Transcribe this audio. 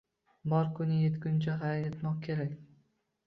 Bor kuning yetgancha xayr etmoq kerak!